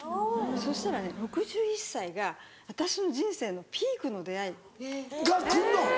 そしたらね６１歳が私の人生のピークの出会い。が来んの？